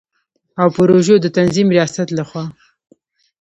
او پروژو د تنظیم ریاست له خوا